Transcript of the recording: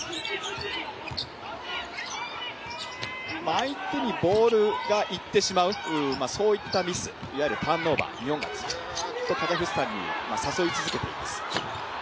相手にボールがいってしまうそういったミスいわゆるターンオーバー、日本が誘い続けています。